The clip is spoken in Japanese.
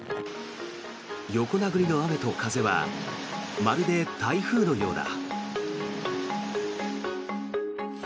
横殴りの雨と風はまるで台風のようだ。